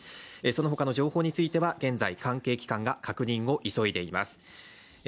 そのほかの情報については、現在関係機関が確認を急いでいます。